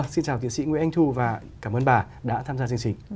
xin chào tiến sĩ nguyễn anh thu và cảm ơn bà đã tham gia chương trình